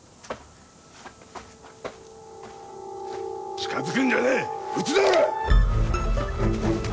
近づくんじゃねえ撃つぞ！